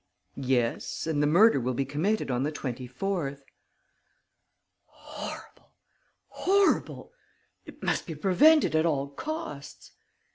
"Yes; and the murder will be committed on the 24th." "Horrible! Horrible! It must be prevented at all costs...."